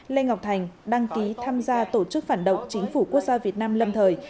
lê ngọc thành đăng ký tham gia tổ chức phản động chính phủ quốc gia việt nam lâm thời